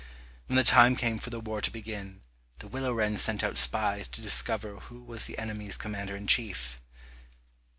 When the time came for the war to begin, the willow wren sent out spies to discover who was the enemy's commander in chief.